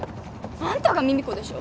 あんたがミミ子でしょ？